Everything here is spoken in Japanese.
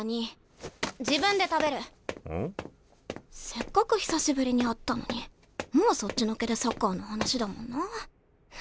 せっかく久しぶりに会ったのにもうそっちのけでサッカーの話だもんな。フンッ。